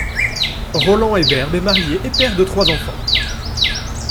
Roland Eberle est marié et père de trois enfants.